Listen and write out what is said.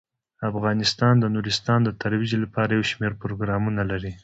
افغانستان د نورستان د ترویج لپاره یو شمیر پروګرامونه لري.